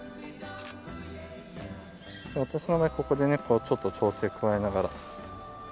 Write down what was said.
私の場合ここでねちょっと調整加えながら。